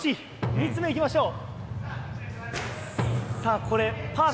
３つ目、行きましょう！